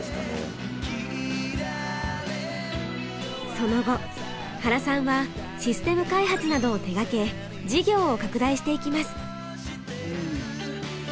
その後原さんはシステム開発などを手がけ事業を拡大していきます。